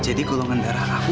jadi golongan darah aku